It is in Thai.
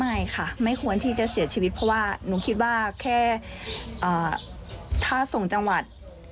ไม่ค่ะไม่ควรที่จะเสียชีวิตเพราะว่าหนูคิดว่าแค่ถ้าส่งจังหวัด